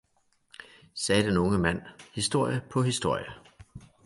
sagde den unge mand, historie på historie!